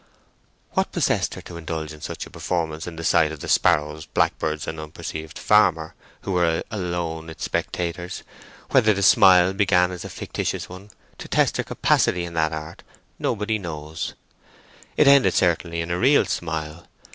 What possessed her to indulge in such a performance in the sight of the sparrows, blackbirds, and unperceived farmer who were alone its spectators,—whether the smile began as a factitious one, to test her capacity in that art,—nobody knows; it ended certainly in a real smile.